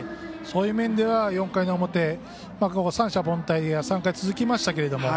そういう面では４回の表三者凡退が３回続きましたが。